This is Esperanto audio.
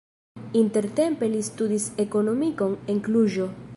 Intertempe li studis ekonomikon en Kluĵo.